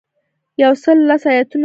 یو سل لس ایاتونه لري.